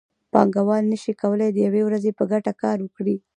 پانګوال نشي کولی د یوې ورځې په ګټه کار وکړي